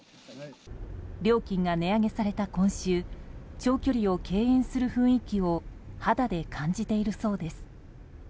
料金が値上げされた今週長距離を敬遠する雰囲気を肌で感じているそうです。